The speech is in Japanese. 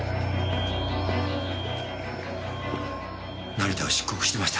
成田を出国してました。